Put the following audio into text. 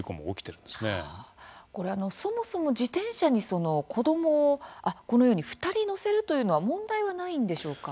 これあのそもそも自転車に子供をこのように２人乗せるというのは問題はないんでしょうか？